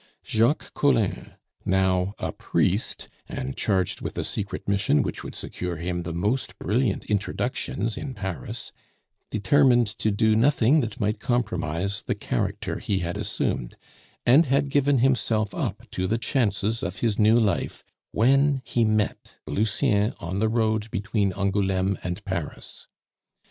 Jacques Collin, now a priest, and charged with a secret mission which would secure him the most brilliant introductions in Paris, determined to do nothing that might compromise the character he had assumed, and had given himself up to the chances of his new life, when he met Lucien on the road between Angouleme and Paris.